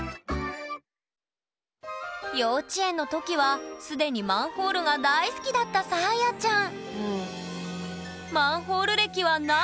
幼稚園の時は既にマンホールが大好きだったさあやちゃん。